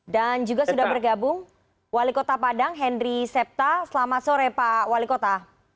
dan juga sudah bergabung wali kota padang henry septa selamat sore pak wali kota